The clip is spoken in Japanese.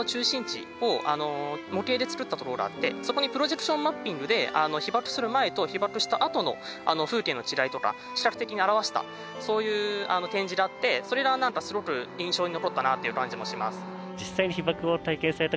そこにプロジェクションマッピングで被爆する前と被爆したあとの風景の違いとか視覚的に表したそういう展示があってそれがすごく印象に残ったなっていう感じもします。